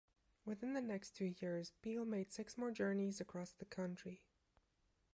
Within the next two years, Beale made six more journeys across the country.